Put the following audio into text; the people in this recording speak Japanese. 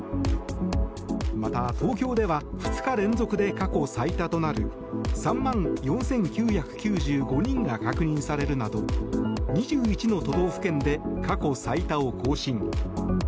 また、東京では２日連続で過去最多となる３万４９９５人が確認されるなど２１の都道府県で過去最多を更新。